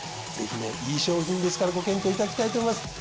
ぜひねいい商品ですからご検討いただきたいと思います。